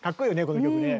この曲ね。